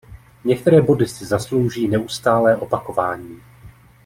Některé body si zaslouží neustálé opakování.